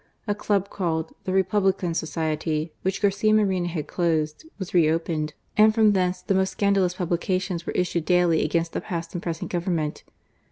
A club called " The Republican Society," which Garcia Moreno had closed, was re opened, and from thence the most scandalous publications were issued daily against the past and present Government.